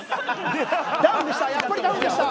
ダウンでした！